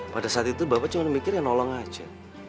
pada saat itu bapak cuma mikir ya nolong aja